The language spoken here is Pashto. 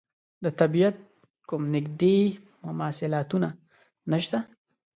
د طبعیت کوم نږدې مماثلاتونه نشته.